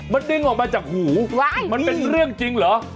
มันดึงออกมาจากหูมันเป็นเรื่องจริงเหรอ